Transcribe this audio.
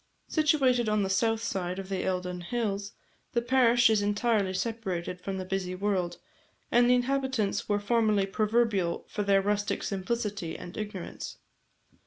Situated on the south side of the Eildon hills, the parish is entirely separated from the busy world, and the inhabitants were formerly proverbial for their rustic simplicity and ignorance.